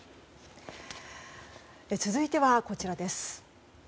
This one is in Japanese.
続いては、こちらです。